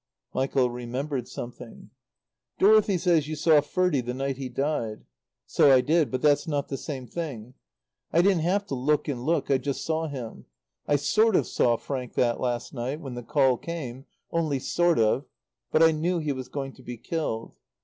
Michael remembered something. "Dorothy says you saw Ferdie the night he died." "So I did. But that's not the same thing. I didn't have to look and look. I just saw him. I sort of saw Frank that last night when the call came only sort of but I knew he was going to be killed.